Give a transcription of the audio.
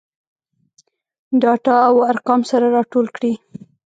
ډاټا او ارقام سره راټول کړي.